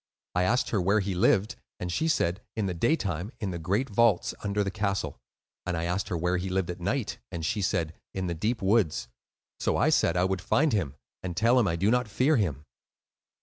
I asked her where he lived, and she said, 'In the day time, in the great vaults under the castle;' and I asked her where he lived at night, and she said, 'In the deep woods.' So I said I would find him, and tell him I did not fear him."